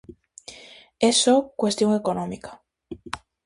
É só cuestión económica.